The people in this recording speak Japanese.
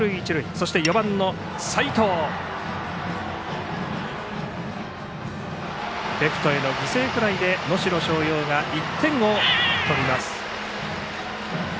そして４番、齋藤はレフトへの犠牲フライで能代松陽が１点を取ります。